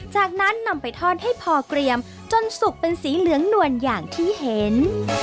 จากนั้นนำไปทอดให้พอเกรียมจนสุกเป็นสีเหลืองนวลอย่างที่เห็น